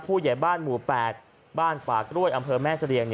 ผู้ใหญ่บ้านหมู่แปลกบ้านฝากร่วยอำเภอแม่สะเรียง